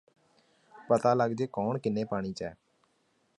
ਪਤਾ ਲੱਗਜੇ ਕੌਣ ਕਿੰਨੇ ਪਾਣੀ ਚ ਐ